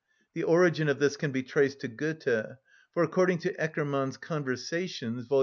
The origin of this can be traced to Goethe; for, according to Eckermann's "Conversations," vol.